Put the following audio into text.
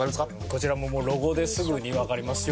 こちらもロゴですぐにわかりますよ